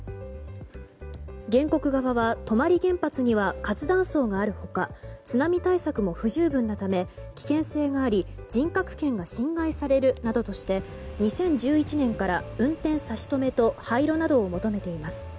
原告側は泊原発には活断層がある他津波対策も不十分なため危険なため人格権が侵害されるなどとして２０１１年から運転差し止めと廃炉などを求めています。